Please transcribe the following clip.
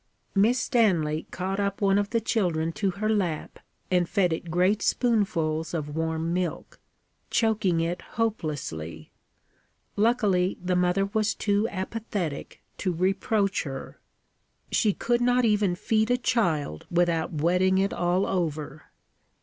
Miss Stanley caught up one of the children to her lap and fed it great spoonfuls of warm milk choking it hopelessly. Luckily the mother was too apathetic to reproach her. She could not even feed a child without wetting it all over!